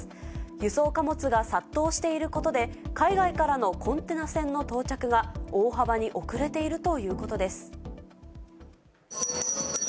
輸送貨物が殺到していることで、海外からのコンテナ船の到着が大幅に遅れているということです。